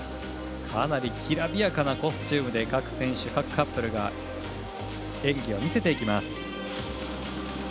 かなりきらびやかなコスチュームで各選手、各カップルが演技を見せてきます。